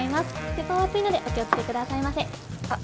鉄板お熱いのでお気をつけくださいませあっ